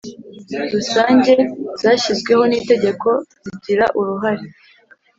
Rusange zashyizweho n itegeko zigira uruhare